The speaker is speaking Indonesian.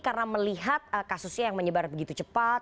karena melihat kasusnya yang menyebar begitu cepat